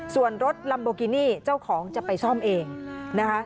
ส่วนรถลัมโบกินี่เจ้าของจะไปซ่อมเองนะคะ